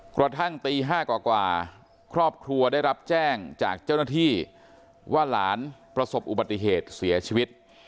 กระทั่งตี๕กว่าครอบครัวได้รับแจ้งจากเจ้าหน้าที่ว่าหลานประสบอุบัติเหตุเสียชีวิต